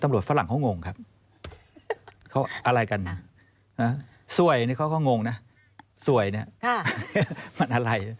ฝรั่งเขางงครับเขาอะไรกันสวยนี่เขาก็งงนะสวยเนี่ยมันอะไร